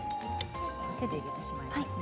手で入れてしまいますね。